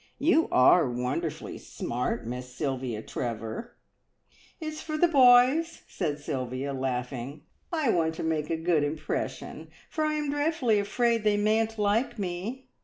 You are wonderfully smart, Miss Sylvia Trevor!" "It's for the boys," said Sylvia, laughing. "I want to make a good impression, for I am dreadfully afraid they mayn't like me.